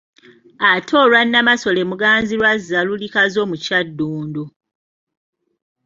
Ate olwa Nnamasole Muganzirwazza luli Kazo mu Kyadondo.